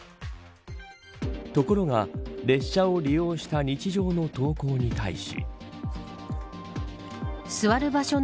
ところが、列車を利用した日常の投稿に対し。